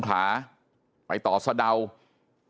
เพราะว่ามันไร้วีแววเสียแป้ง